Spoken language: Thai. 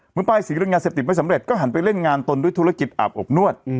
ป้ายสีเรื่องยาเสพติดไม่สำเร็จก็หันไปเล่นงานตนด้วยธุรกิจอาบอบนวด